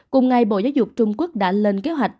cùng ngày bộ giáo dục trung quốc đã lên kế hoạch